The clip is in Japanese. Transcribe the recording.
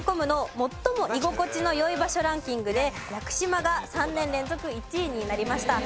最も居心地の良い場所ランキングで屋久島が３年連続１位になりました。